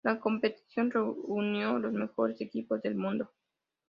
La competición reunió los mejores equipos del mundo.